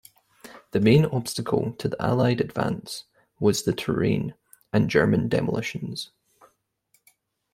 The main obstacle to the Allied advance was the terrain and German demolitions.